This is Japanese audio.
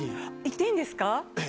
行っていいんですか！